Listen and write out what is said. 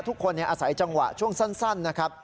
ทุกคนอาศัยจังหวะช่วงสั้นนะครับ